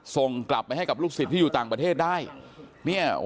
ส่งกลับไปให้กับลูกศิษย์ที่อยู่ต่างประเทศได้เนี่ย